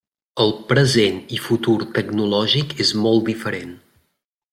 El present i futur tecnològic és molt diferent.